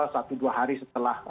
satu dua hari setelah